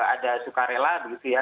ada sukarela begitu ya